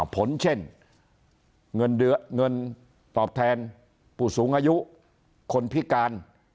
ผลเช่นเงินตอบแทนผู้สูงอายุคนพิการ